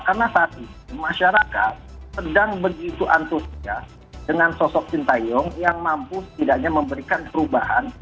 karena saat ini masyarakat sedang begitu antusias dengan sosok cintayong yang mampu setidaknya memberikan perubahan